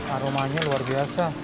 aromanya luar biasa